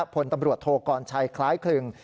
พลตำรวจโทกรชัยคล้ายคลึง